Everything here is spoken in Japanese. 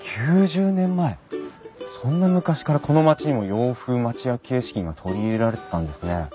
そんな昔からこの町にも洋風町屋形式が取り入れられてたんですね。